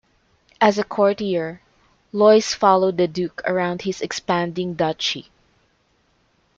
As a courtier Loys followed the Duke around his expanding duchy.